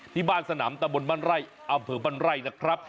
ที่บ้านสนามตะบวนบนไล่อเผลอบนไล่นะครับ